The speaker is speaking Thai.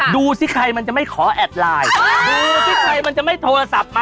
ดูสิใครมันจะไม่ขอแอดไลน์ดูสิใครมันจะไม่โทรศัพท์มา